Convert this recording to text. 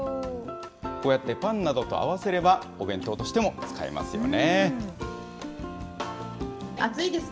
こうやってパンなどと合わせれば、お弁当としても使えますよね。